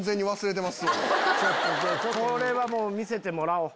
これは見せてもらおう。